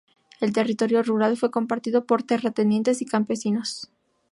El territorio rural fue compartido por terratenientes y campesinos.